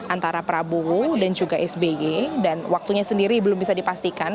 antara prabowo dan juga sby dan waktunya sendiri belum bisa dipastikan